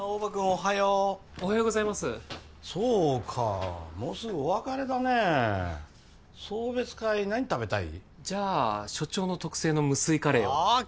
おはようおはようございますそうかもうすぐお別れだね送別会何食べたい？じゃあ所長の特製の無水カレーをＯＫ！